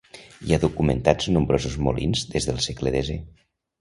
Hi ha documentats nombrosos molins des del segle desè.